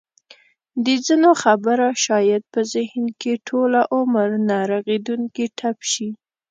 د ځینو خبره شاید په ذهن کې ټوله عمر نه رغېدونکی ټپ شي.